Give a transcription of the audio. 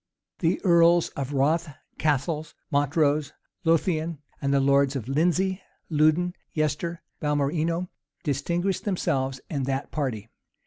The earls of Rothes, Cassils, Montrose, Lothian, the lords Lindesey, Louden, Yester, Balmerino, distinguished themselves in that party.